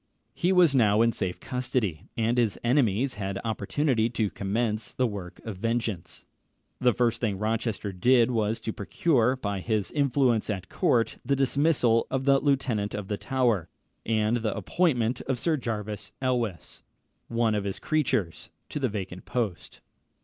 He was now in safe custody, and his enemies had opportunity to commence the work of vengeance. The first thing Rochester did was to procure, by his influence at court, the dismissal of the Lieutenant of the Tower, and the appointment of Sir Jervis Elwes, one of his creatures, to the vacant post.